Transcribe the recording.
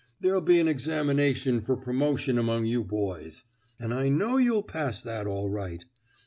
There'll be an examination f er promotion among you boys; an* I know you'll pass that all right.